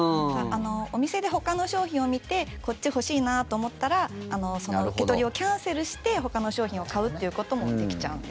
お店でほかの商品を見てこっち欲しいなと思ったら受け取りをキャンセルしてほかの商品を買うっていうこともできちゃうんです。